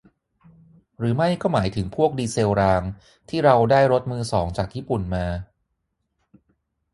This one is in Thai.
หรือไม่ก็หมายถึงพวกดีเซลรางที่เราได้รถมือสองจากญี่ปุ่นมา ?